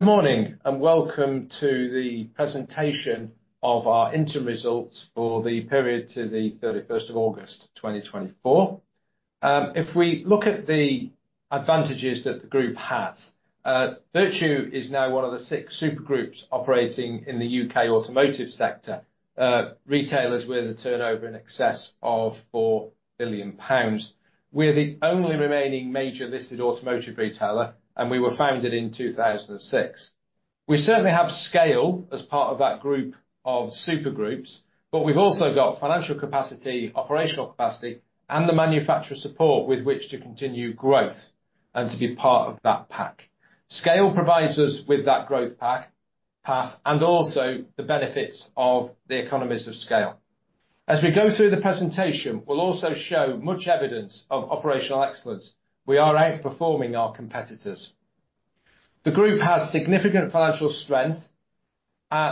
Good morning, and welcome to the presentation of our interim results for the period to the thirty-first of August, twenty twenty-four. If we look at the advantages that the group has, Vertu is now one of the six super groups operating in the U.K. automotive sector. Retailers with a turnover in excess of £4 billion. We're the only remaining major listed automotive retailer, and we were founded in two thousand and six. We certainly have scale as part of that group of super groups, but we've also got financial capacity, operational capacity, and the manufacturer support with which to continue growth and to be part of that pack. Scale provides us with that growth path, and also the benefits of the economies of scale. As we go through the presentation, we'll also show much evidence of operational excellence. We are outperforming our competitors. The group has significant financial strength,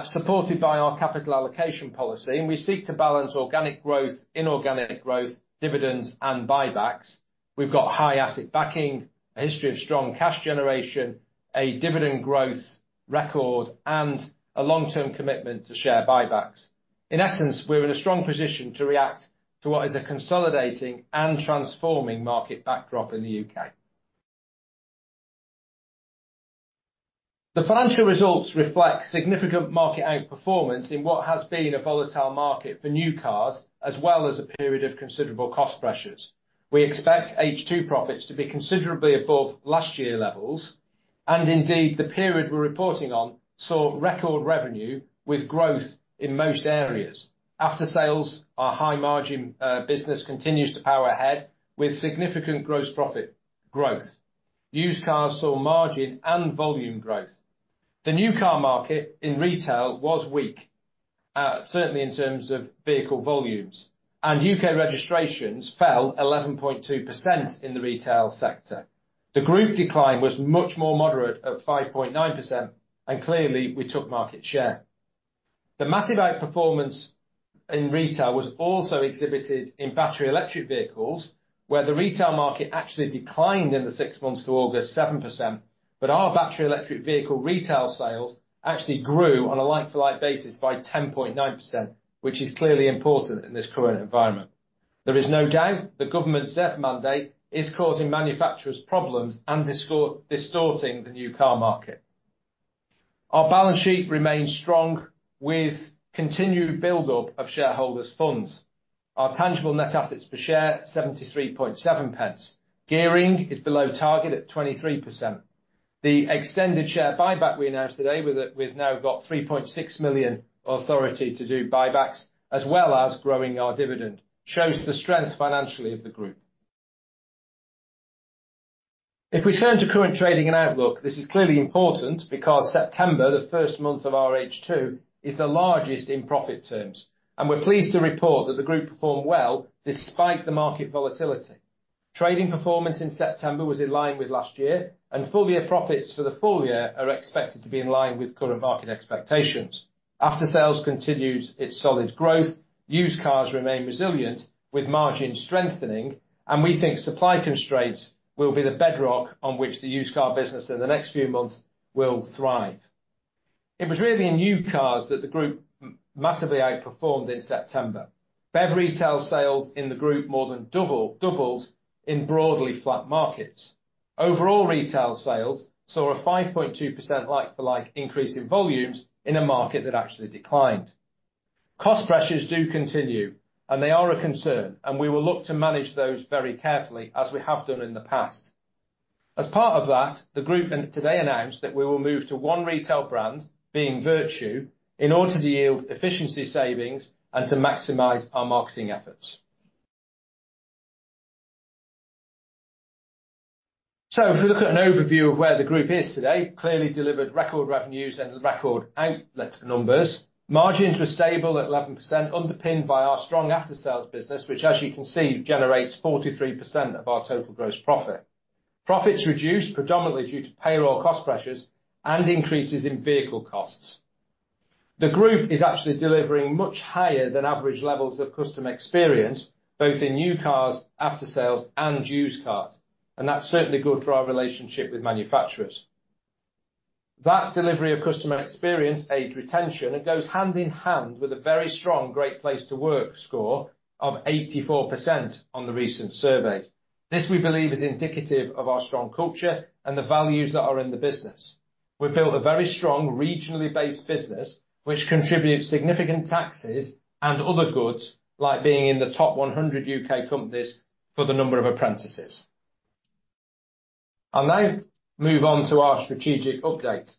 supported by our capital allocation policy, and we seek to balance organic growth, inorganic growth, dividends, and buybacks. We've got high asset backing, a history of strong cash generation, a dividend growth record, and a long-term commitment to share buybacks. In essence, we're in a strong position to react to what is a consolidating and transforming market backdrop in the UK. The financial results reflect significant market outperformance in what has been a volatile market for new cars, as well as a period of considerable cost pressures. We expect H2 profits to be considerably above last year levels, and indeed, the period we're reporting on, saw record revenue with growth in most areas. Aftersales, our high margin business continues to power ahead, with significant gross profit growth. Used cars saw margin and volume growth. The new car market in retail was weak, certainly in terms of vehicle volumes, and UK registrations fell 11.2% in the retail sector. The group decline was much more moderate at 5.9%, and clearly, we took market share. The massive outperformance in retail was also exhibited in battery electric vehicles, where the retail market actually declined in the six months to August, 7%, but our battery electric vehicle retail sales actually grew on a like-for-like basis by 10.9%, which is clearly important in this current environment. There is no doubt the government's ZEV mandate is causing manufacturers problems and distorting the new car market. Our balance sheet remains strong, with continued build-up of shareholders' funds. Our tangible net assets per share, 73.7 pence. Gearing is below target at 23%. The extended share buyback we announced today, with we've now got 3.6 million authority to do buybacks, as well as growing our dividend, shows the strength financially of the group. If we turn to current trading and outlook, this is clearly important because September, the first month of our H2, is the largest in profit terms, and we're pleased to report that the group performed well despite the market volatility. Trading performance in September was in line with last year, and full year profits for the full year are expected to be in line with current market expectations. Aftersales continues its solid growth, used cars remain resilient, with margin strengthening, and we think supply constraints will be the bedrock on which the used car business in the next few months will thrive. It was really in new cars that the group massively outperformed in September. BEV retail sales in the Group more than doubled in broadly flat markets. Overall, retail sales saw a 5.2% like-for-like increase in volumes in a market that actually declined. Cost pressures do continue, and they are a concern, and we will look to manage those very carefully, as we have done in the past. As part of that, the Group today announced that we will move to one retail brand, being Vertu, in order to yield efficiency savings and to maximize our marketing efforts. So if you look at an overview of where the Group is today, clearly delivered record revenues and record outlet numbers. Margins were stable at 11%, underpinned by our strong after-sales business, which, as you can see, generates 43% of our total gross profit. Profits reduced predominantly due to payroll cost pressures and increases in vehicle costs. The group is actually delivering much higher than average levels of customer experience, both in new cars, aftersales, and used cars, and that's certainly good for our relationship with manufacturers. That delivery of customer experience aids retention and goes hand in hand with a very strong Great Place to Work score of 84% on the recent surveys. This, we believe, is indicative of our strong culture and the values that are in the business. We've built a very strong, regionally based business, which contributes significant taxes and other goods, like being in the top 100 U.K. companies for the number of apprentices. I'll now move on to our strategic update.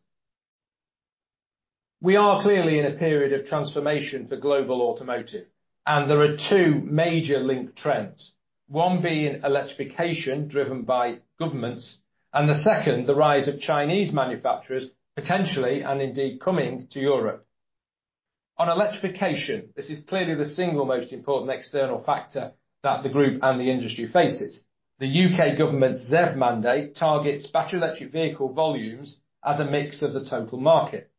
We are clearly in a period of transformation for global automotive, and there are two major linked trends, one being electrification, driven by governments, and the second, the rise of Chinese manufacturers, potentially and indeed coming to Europe. On electrification, this is clearly the single most important external factor that the group and the industry faces. The UK government's ZEV mandate targets battery electric vehicle volumes as a mix of the total market.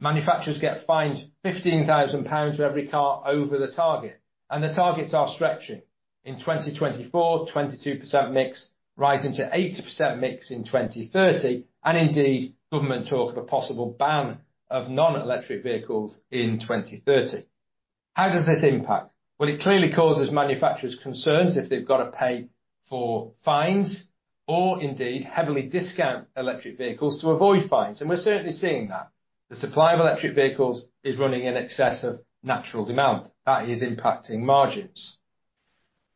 Manufacturers get fined 15,000 pounds for every car over the target, and the targets are stretching. In 2024, 22% mix, rising to 80% mix in 2030, and indeed, government talk of a possible ban of non-electric vehicles in 2030. How does this impact? Well, it clearly causes manufacturers concerns if they've got to pay for fines, or indeed, heavily discount electric vehicles to avoid fines, and we're certainly seeing that. The supply of electric vehicles is running in excess of natural demand. That is impacting margins.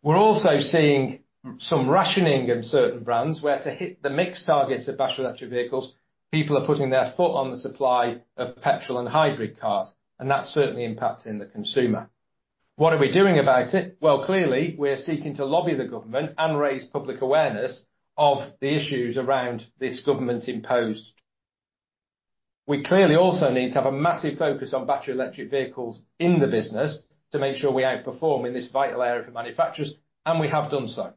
We're also seeing some rationing of certain brands, where to hit the mix targets of battery electric vehicles, people are putting their foot on the supply of petrol and hybrid cars, and that's certainly impacting the consumer. What are we doing about it? Clearly, we are seeking to lobby the government and raise public awareness of the issues around this government-imposed. We clearly also need to have a massive focus on battery electric vehicles in the business to make sure we outperform in this vital area for manufacturers, and we have done so.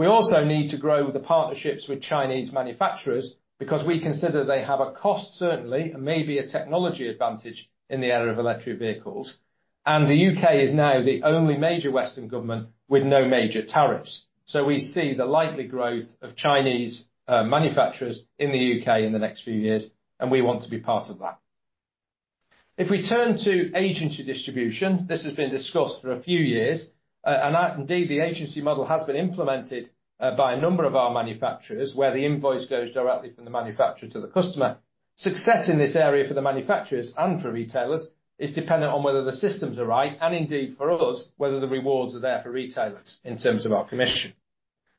We also need to grow the partnerships with Chinese manufacturers because we consider they have a cost, certainly, and maybe a technology advantage in the area of electric vehicles. And the UK is now the only major Western government with no major tariffs. So we see the likely growth of Chinese manufacturers in the UK in the next few years, and we want to be part of that. If we turn to agency distribution, this has been discussed for a few years, and indeed, the agency model has been implemented by a number of our manufacturers, where the invoice goes directly from the manufacturer to the customer. Success in this area for the manufacturers and for retailers is dependent on whether the systems are right, and indeed for us, whether the rewards are there for retailers in terms of our commission.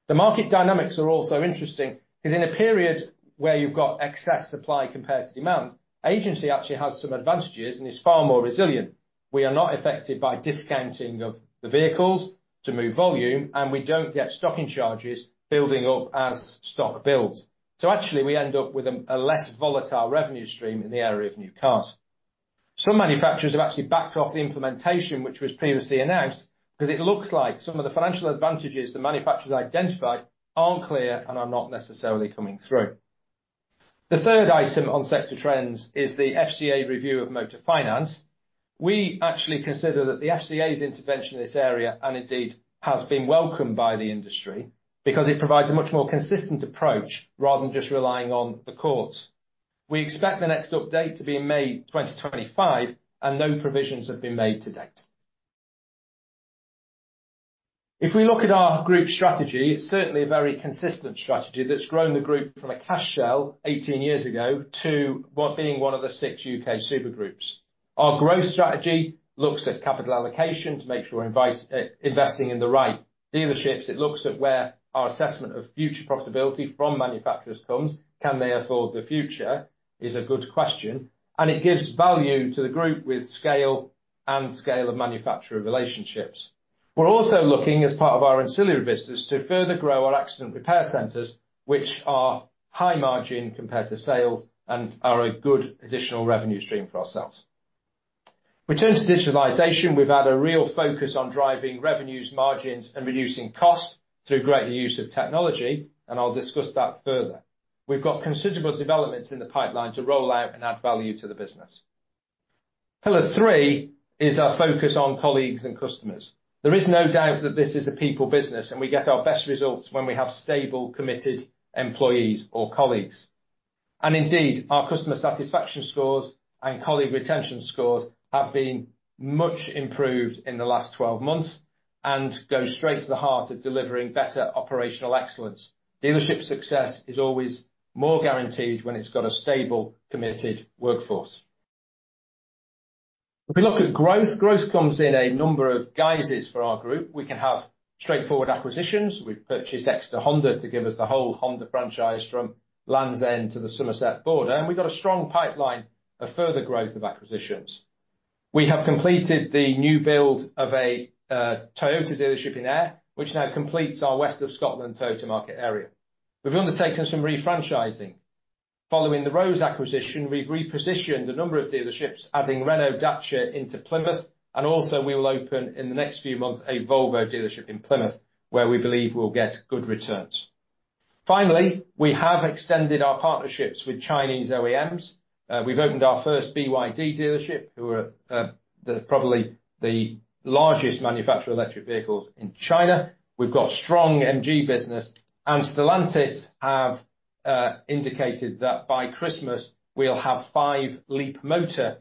The market dynamics are also interesting, because in a period where you've got excess supply compared to demand, agency actually has some advantages and is far more resilient. We are not affected by discounting of the vehicles to move volume, and we don't get stocking charges building up as stock builds. So actually, we end up with a less volatile revenue stream in the area of new cars. Some manufacturers have actually backed off the implementation, which was previously announced, 'cause it looks like some of the financial advantages the manufacturers identified aren't clear and are not necessarily coming through. The third item on sector trends is the FCA review of motor finance. We actually consider that the FCA's intervention in this area, and indeed, has been welcomed by the industry, because it provides a much more consistent approach rather than just relying on the courts. We expect the next update to be in May 2025, and no provisions have been made to date. If we look at our group strategy, it's certainly a very consistent strategy that's grown the group from a cash shell eighteen years ago to one, being one of the six U.K. super groups. Our growth strategy looks at capital allocation to make sure we're investing in the right dealerships. It looks at where our assessment of future profitability from manufacturers comes. Can they afford the future? Is a good question, and it gives value to the group with scale and scale of manufacturer relationships. We're also looking, as part of our ancillary business, to further grow our accident repair centers, which are high margin compared to sales and are a good additional revenue stream for ourselves. We turn to digitalization, we've had a real focus on driving revenues, margins, and reducing costs through greater use of technology, and I'll discuss that further. We've got considerable developments in the pipeline to roll out and add value to the business. Pillar three is our focus on colleagues and customers. There is no doubt that this is a people business, and we get our best results when we have stable, committed employees or colleagues. And indeed, our customer satisfaction scores and colleague retention scores have been much improved in the last twelve months and go straight to the heart of delivering better operational excellence. Dealership success is always more guaranteed when it's got a stable, committed workforce. If we look at growth, growth comes in a number of guises for our group. We can have straightforward acquisitions. We've purchased extra Honda to give us the whole Honda franchise from Land's End to the Somerset border, and we've got a strong pipeline of further growth of acquisitions. We have completed the new build of a Toyota dealership in Ayr, which now completes our West of Scotland Toyota market area. We've undertaken some refranchising. Following the Rowes acquisition, we've repositioned a number of dealerships, adding Renault Dacia into Plymouth, and also we will open, in the next few months, a Volvo dealership in Plymouth, where we believe we'll get good returns. Finally, we have extended our partnerships with Chinese OEMs. We've opened our first BYD dealership, who are probably the largest manufacturer of electric vehicles in China. We've got strong MG business, and Stellantis have indicated that by Christmas, we'll have five Leapmotor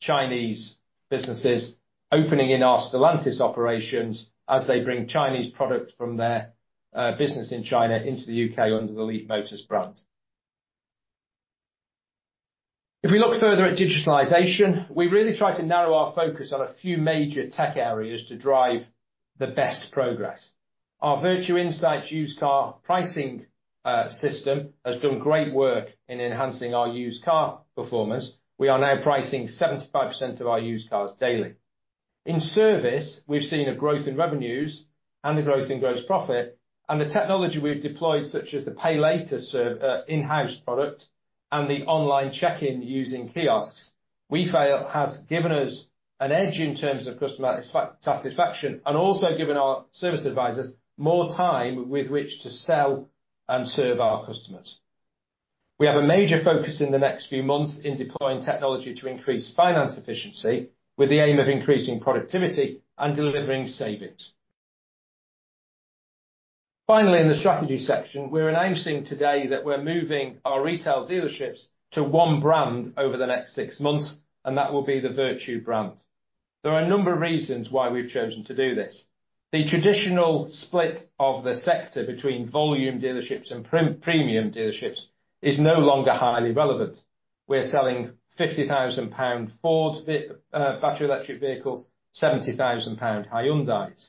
Chinese businesses opening in our Stellantis operations as they bring Chinese products from their business in China into the UK under the Leapmotor brand. If we look further at digitalization, we really try to narrow our focus on a few major tech areas to drive the best progress. Our Vertu Insights used car pricing system has done great work in enhancing our used car performance. We are now pricing 75% of our used cars daily. In service, we've seen a growth in revenues and a growth in gross profit, and the technology we've deployed, such as the Pay Later service in-house product and the online check-in using kiosks, we feel, has given us an edge in terms of customer satisfaction, and also given our service advisors more time with which to sell and serve our customers. We have a major focus in the next few months in deploying technology to increase finance efficiency, with the aim of increasing productivity and delivering savings. Finally, in the strategy section, we're announcing today that we're moving our retail dealerships to one brand over the next six months, and that will be the Vertu brand. There are a number of reasons why we've chosen to do this. The traditional split of the sector between volume dealerships and premium dealerships is no longer highly relevant. We're selling 50,000 pound Ford battery electric vehicles, 70,000 pound Hyundais.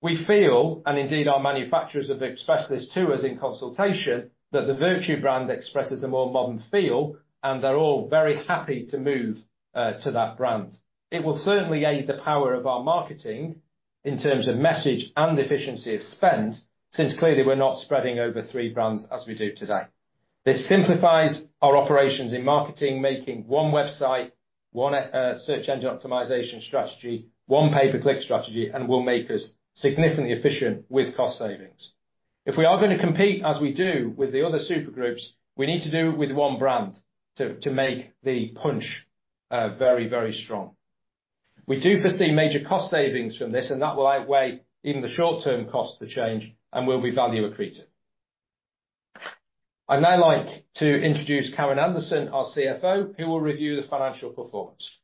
We feel, and indeed our manufacturers have expressed this to us in consultation, that the Vertu brand expresses a more modern feel, and they're all very happy to move to that brand. It will certainly aid the power of our marketing in terms of message and efficiency of spend, since clearly we're not spreading over three brands as we do today. This simplifies our operations in marketing, making one website, one search engine optimization strategy, one pay-per-click strategy, and will make us significantly efficient with cost savings. If we are gonna compete as we do with the other super groups, we need to do it with one brand to make the punch very, very strong. We do foresee major cost savings from this, and that will outweigh even the short-term costs to change and will be value accretive. I'd now like to introduce Karen Anderson, our CFO, who will review the financial performance.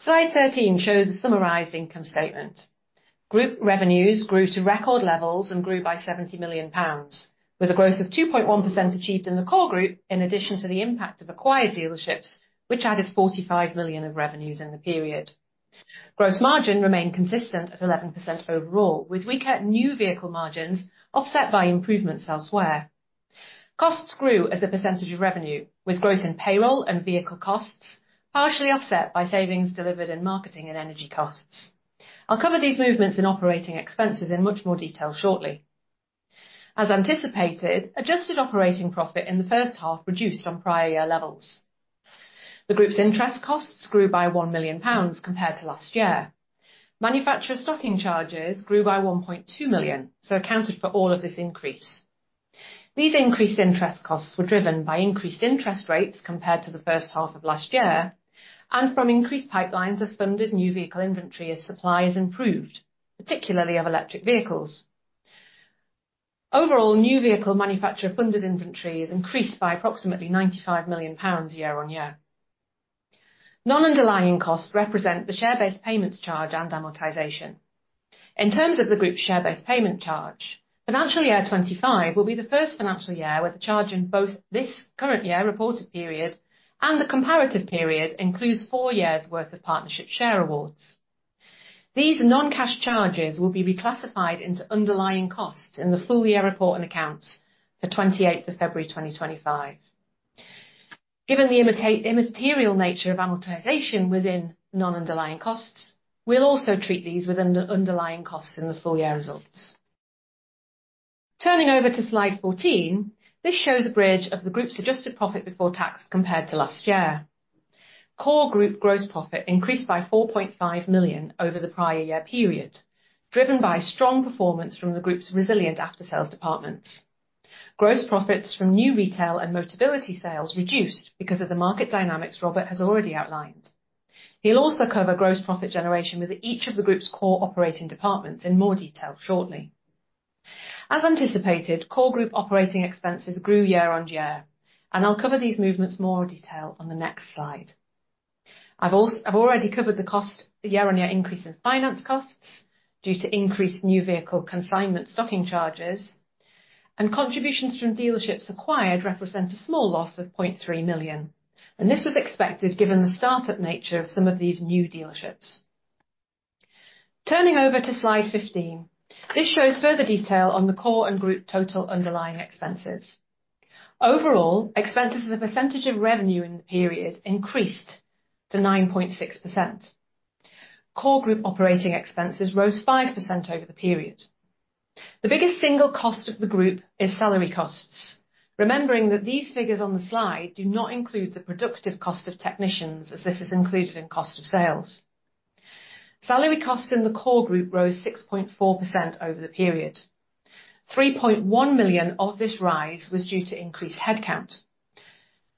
Slide 13 shows the summarized income statement. Group revenues grew to record levels and grew by 70 million pounds, with a growth of 2.1% achieved in the core group, in addition to the impact of acquired dealerships, which added 45 million of revenues in the period. Gross margin remained consistent at 11% overall, with weaker new vehicle margins offset by improvements elsewhere. Costs grew as a percentage of revenue, with growth in payroll and vehicle costs, partially offset by savings delivered in marketing and energy costs. I'll cover these movements in operating expenses in much more detail shortly. As anticipated, adjusted operating profit in the first half reduced from prior year levels. The group's interest costs grew by 1 million pounds compared to last year. Manufacturer stocking charges grew by 1.2 million, so accounted for all of this increase. These increased interest costs were driven by increased interest rates compared to the first half of last year, and from increased pipelines of funded new vehicle inventory as supply has improved, particularly of electric vehicles. Overall, new vehicle manufacturer-funded inventory is increased by approximately 95 million pounds year-on-year. Non-underlying costs represent the share-based payments charge and amortization. In terms of the group's share-based payment charge, financial year twenty-five will be the first financial year where the charge in both this current year reported period and the comparative period includes four years' worth of partnership share awards. These non-cash charges will be reclassified into underlying costs in the full year report and accounts for 28th of February, 2025. Given the immaterial nature of amortization within non-underlying costs, we'll also treat these with underlying costs in the full year results. Turning over to slide 14, this shows a bridge of the group's adjusted profit before tax compared to last year. Core group gross profit increased by 4.5 million over the prior year period, driven by strong performance from the group's resilient after-sales departments. Gross profits from new retail and Motability sales reduced because of the market dynamics Robert has already outlined. He'll also cover gross profit generation with each of the group's core operating departments in more detail shortly. As anticipated, core group operating expenses grew year-on-year, and I'll cover these movements in more detail on the next slide. I've already covered the year-on-year increase in finance costs due to increased new vehicle consignment stocking charges, and contributions from dealerships acquired represent a small loss of 0.3 million, and this was expected given the startup nature of some of these new dealerships. Turning over to slide 15, this shows further detail on the core and group total underlying expenses. Overall, expenses as a percentage of revenue in the period increased to 9.6%. Core group operating expenses rose 5% over the period. The biggest single cost of the group is salary costs, remembering that these figures on the slide do not include the productive cost of technicians, as this is included in cost of sales. Salary costs in the core group rose 6.4% over the period. 3.1 million of this rise was due to increased headcount.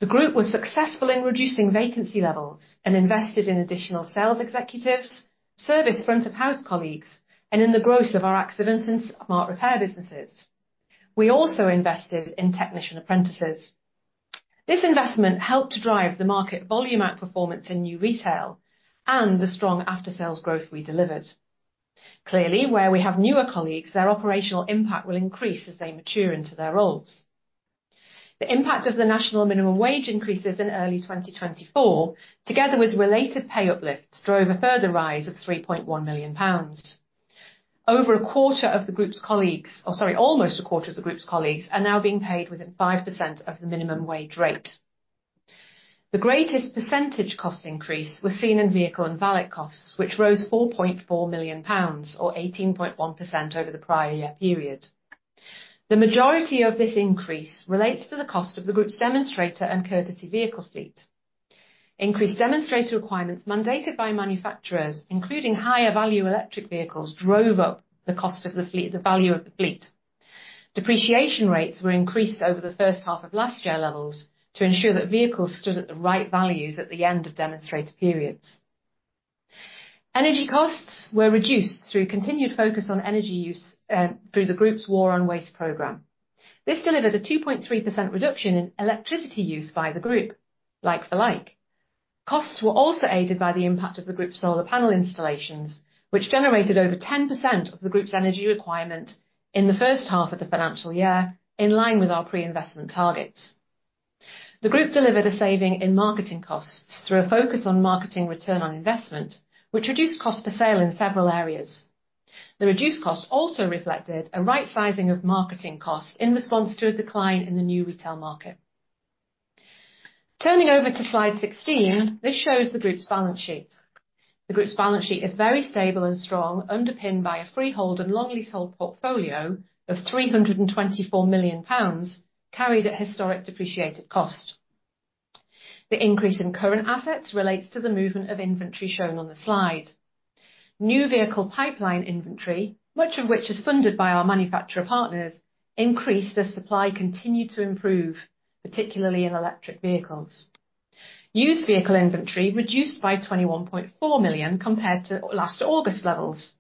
The group was successful in reducing vacancy levels and invested in additional sales executives, service front-of-house colleagues, and in the growth of our accident and smart repair businesses. We also invested in technician apprentices. This investment helped to drive the market volume outperformance in new retail and the strong after-sales growth we delivered. Clearly, where we have newer colleagues, their operational impact will increase as they mature into their roles. The impact of the national minimum wage increases in early 2024, together with related pay uplifts, drove a further rise of 3.1 million pounds. Over a quarter of the group's colleagues... Oh, sorry, almost a quarter of the group's colleagues are now being paid within 5% of the minimum wage rate. The greatest percentage cost increase was seen in vehicle and valet costs, which rose 4.4 million pounds, or 18.1% over the prior year period. The majority of this increase relates to the cost of the group's demonstrator and courtesy vehicle fleet.... Increased demonstrator requirements mandated by manufacturers, including higher value electric vehicles, drove up the cost of the fleet, the value of the fleet. Depreciation rates were increased over the first half of last year levels to ensure that vehicles stood at the right values at the end of demonstrator periods. Energy costs were reduced through continued focus on energy use, through the group's War on Waste program. This delivered a 2.3% reduction in electricity use by the group, like for like. Costs were also aided by the impact of the group's solar panel installations, which generated over 10% of the group's energy requirement in the first half of the financial year, in line with our pre-investment targets. The group delivered a saving in marketing costs through a focus on marketing return on investment, which reduced cost to sale in several areas. The reduced cost also reflected a right sizing of marketing costs in response to a decline in the new retail market. Turning over to slide 16, this shows the group's balance sheet. The group's balance sheet is very stable and strong, underpinned by a freehold and long leasehold portfolio of 324 million pounds, carried at historic depreciated cost. The increase in current assets relates to the movement of inventory shown on the slide. New vehicle pipeline inventory, much of which is funded by our manufacturer partners, increased as supply continued to improve, particularly in electric vehicles. Used vehicle inventory reduced by 21.4 million compared to last August levels.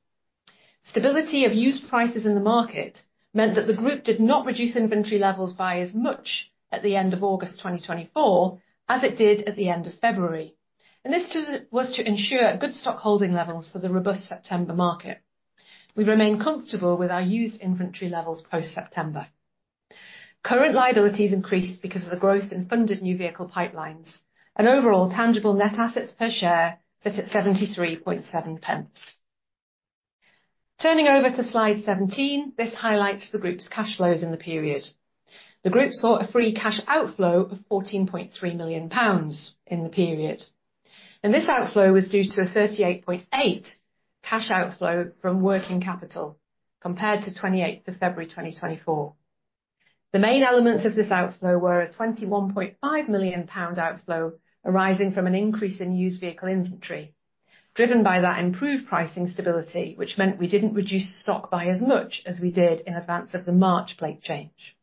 Stability of used prices in the market meant that the group did not reduce inventory levels by as much at the end of August 2024, as it did at the end of February, and this was to ensure good stockholding levels for the robust September market. We remain comfortable with our used inventory levels post-September. Current liabilities increased because of the growth in funded new vehicle pipelines, and overall tangible net assets per share sit at 0.737. Turning over to slide 17, this highlights the group's cash flows in the period. The group saw a free cash outflow of 14.3 million pounds in the period, and this outflow was due to a 38.8 million cash outflow from working capital, compared to 28th of February 2024. The main elements of this outflow were a 21.5 million pound outflow arising from an increase in used vehicle inventory, driven by that improved pricing stability, which meant we didn't reduce stock by as much as we did in advance of the March plate change.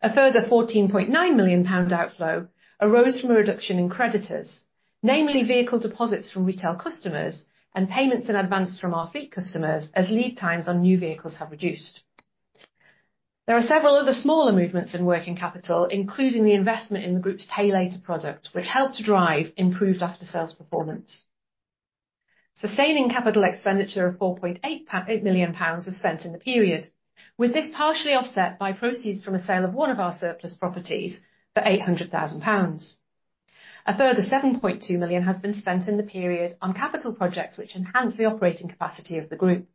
A further GBP 14.9 million outflow arose from a reduction in creditors, namely vehicle deposits from retail customers and payments in advance from our fleet customers as lead times on new vehicles have reduced. There are several other smaller movements in working capital, including the investment in the group's Pay Later product, which helped to drive improved after-sales performance. Sustaining capital expenditure of 4.8 million pounds was spent in the period, with this partially offset by proceeds from a sale of one of our surplus properties for 800,000 pounds. A further 7.2 million has been spent in the period on capital projects, which enhance the operating capacity of the group,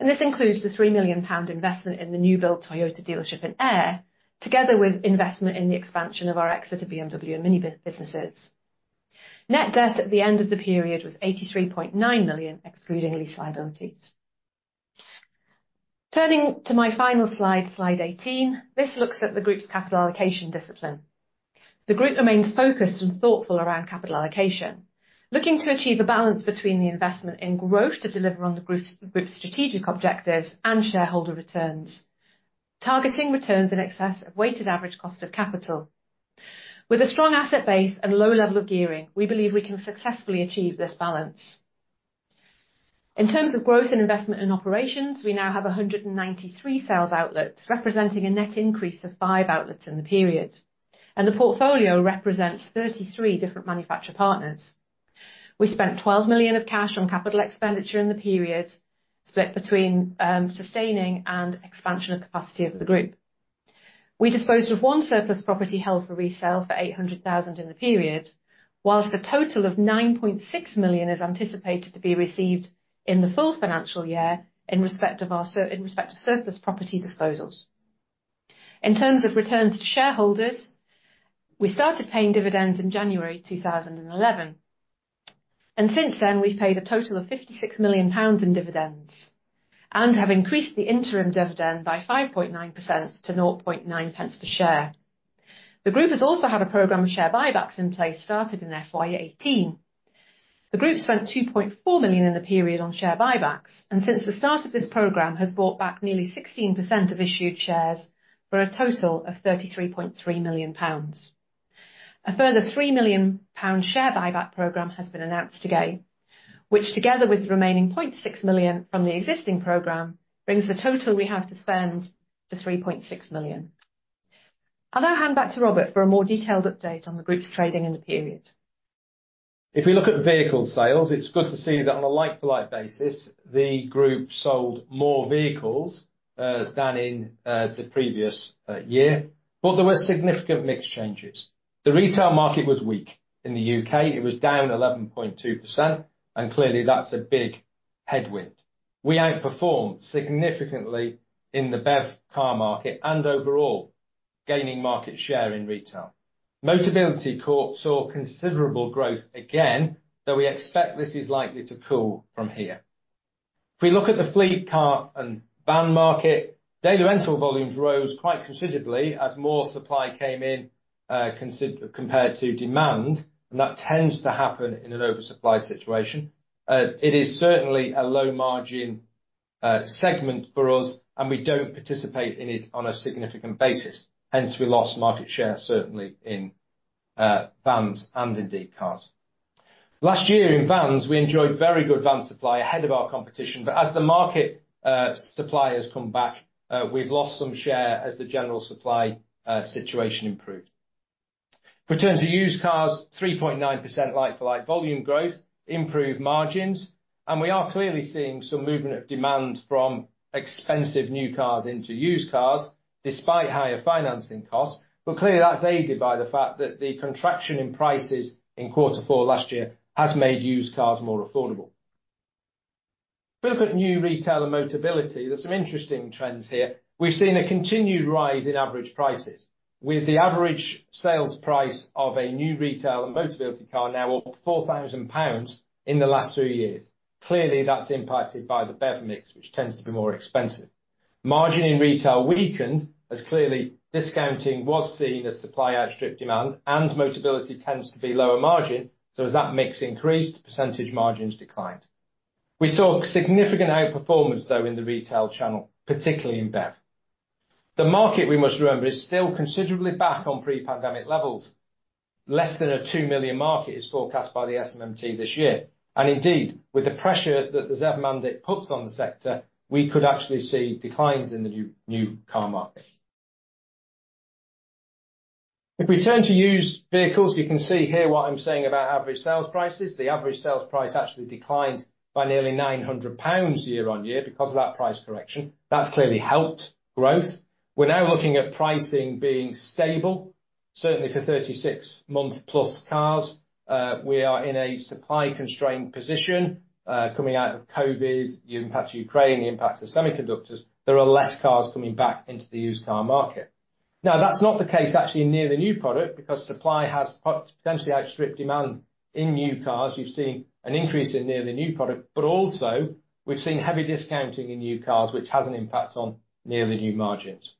and this includes the 3 million pound investment in the new-built Toyota dealership in Ayr, together with investment in the expansion of our Exeter BMW and MINI businesses. Net debt at the end of the period was 83.9 million, excluding lease liabilities. Turning to my final slide, slide 18, this looks at the group's capital allocation discipline. The group remains focused and thoughtful around capital allocation, looking to achieve a balance between the investment in growth to deliver on the group's strategic objectives and shareholder returns, targeting returns in excess of weighted average cost of capital. With a strong asset base and low level of gearing, we believe we can successfully achieve this balance. In terms of growth and investment in operations, we now have 193 sales outlets, representing a net increase of five outlets in the period, and the portfolio represents 33 different manufacturer partners. We spent 12 million of cash on capital expenditure in the period, split between sustaining and expansion of capacity of the group. We disposed of 1 surplus property held for resale for 800,000 in the period, while a total of 9.6 million is anticipated to be received in the full financial year in respect of surplus property disposals. In terms of returns to shareholders, we started paying dividends in January 2011, and since then, we've paid a total of 56 million pounds in dividends and have increased the interim dividend by 5.9% to 0.9 pence per share. The group has also had a program of share buybacks in place, started in FY 2018. The group spent 2.4 million in the period on share buybacks, and since the start of this program, has bought back nearly 16% of issued shares for a total of 33.3 million pounds. A further 3 million pound share buyback program has been announced today, which together with the remaining 0.6 million from the existing program, brings the total we have to spend to 3.6 million. I'll now hand back to Robert for a more detailed update on the group's trading in the period. If we look at vehicle sales, it's good to see that on a like-for-like basis, the group sold more vehicles than in the previous year, but there were significant mix changes. The retail market was weak. In the U.K., it was down 11.2%, and clearly, that's a big headwind. We outperformed significantly in the BEV car market and overall gaining market share in retail. Motability core saw considerable growth again, though we expect this is likely to cool from here. If we look at the fleet, car, and van market, daily rental volumes rose quite considerably as more supply came in, compared to demand, and that tends to happen in an oversupply situation. It is certainly a low margin segment for us, and we don't participate in it on a significant basis, hence we lost market share, certainly in vans and, indeed, cars. Last year in vans, we enjoyed very good van supply ahead of our competition, but as the market supply has come back, we've lost some share as the general supply situation improved. If we turn to used cars, 3.9% like-for-like volume growth, improved margins, and we are clearly seeing some movement of demand from expensive new cars into used cars, despite higher financing costs. But clearly, that's aided by the fact that the contraction in prices in quarter four last year has made used cars more affordable. If we look at new retail and Motability, there's some interesting trends here. We've seen a continued rise in average prices, with the average sales price of a new retail and Motability car now up £4,000 in the last two years. Clearly, that's impacted by the BEV mix, which tends to be more expensive. Margin in retail weakened, as clearly discounting was seen as supply outstripped demand, and Motability tends to be lower margin, so as that mix increased, percentage margins declined. We saw significant outperformance, though, in the retail channel, particularly in BEV. The market, we must remember, is still considerably back on pre-pandemic levels. Less than a 2 million market is forecast by the SMMT this year, and indeed, with the pressure that the ZEV mandate puts on the sector, we could actually see declines in the new car market. If we turn to used vehicles, you can see here what I'm saying about average sales prices. The average sales price actually declined by nearly 900 pounds year-on-year because of that price correction. That's clearly helped growth. We're now looking at pricing being stable, certainly for thirty-six-month-plus cars. We are in a supply-constrained position, coming out of COVID, the impact of Ukraine, the impact of semiconductors. There are less cars coming back into the used car market. Now, that's not the case actually, near-new product, because supply has potentially outstripped demand in new cars. We've seen an increase in near-new product, but also we've seen heavy discounting in new cars, which has an impact on near-new margins.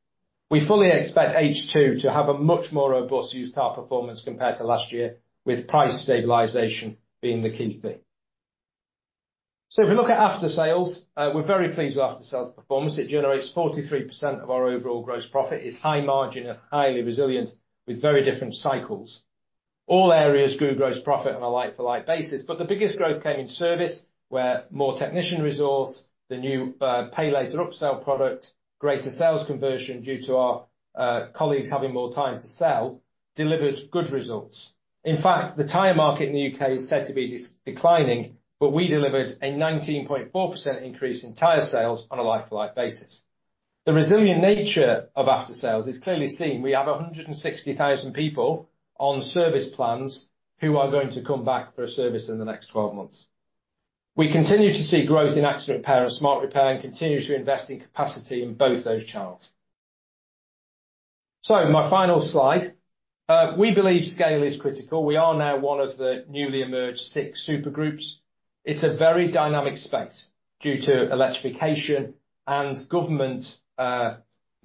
We fully expect H2 to have a much more robust used car performance compared to last year, with price stabilization being the key thing. So if we look at aftersales, we're very pleased with aftersales performance. It generates 43% of our overall gross profit, is high margin and highly resilient, with very different cycles. All areas grew gross profit on a like-for-like basis, but the biggest growth came in service, where more technician resource, the new Pay Later upsell product, greater sales conversion due to our colleagues having more time to sell, delivered good results. In fact, the tire market in the U.K. is said to be declining, but we delivered a 19.4% increase in tire sales on a like-for-like basis. The resilient nature of aftersales is clearly seen. We have 160,000 people on service plans who are going to come back for a service in the next twelve months. We continue to see growth in accident repair and smart repair, and continue to invest in capacity in both those channels. So my final slide. We believe scale is critical. We are now one of the newly emerged six super groups. It's a very dynamic space due to electrification and government,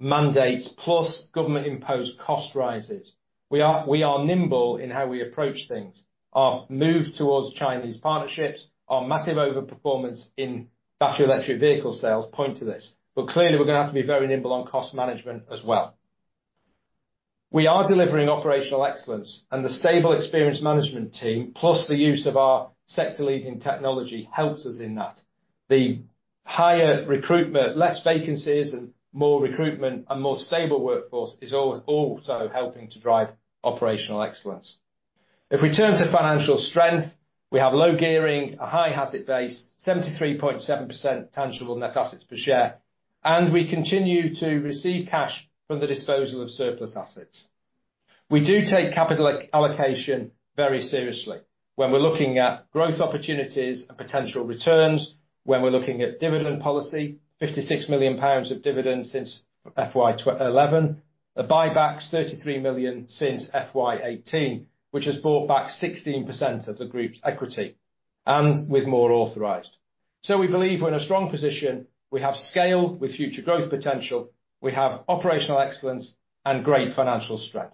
mandates, plus government-imposed cost rises. We are nimble in how we approach things. Our move towards Chinese partnerships, our massive overperformance in battery electric vehicle sales point to this, but clearly, we're going to have to be very nimble on cost management as well. We are delivering operational excellence, and the stable experience management team, plus the use of our sector-leading technology, helps us in that. The higher recruitment, less vacancies and more recruitment, a more stable workforce is also helping to drive operational excellence. If we turn to financial strength, we have low gearing, a high asset base, 73.7% tangible net assets per share, and we continue to receive cash from the disposal of surplus assets. We do take capital allocation very seriously when we're looking at growth opportunities and potential returns, when we're looking at dividend policy, 56 million pounds of dividends since FY 2011, buybacks 33 million since FY 2018, which has brought back 16% of the group's equity, and with more authorized. So we believe we're in a strong position. We have scale with future growth potential. We have operational excellence and great financial strength.